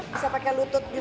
bisa pakai lutut juga